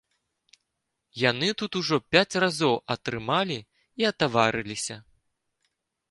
Яны тут ужо пяць разоў атрымалі і атаварыліся.